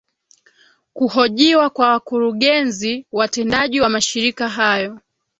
kuhojiwa kwa wakurugenzi watendaji wa mashirika hayo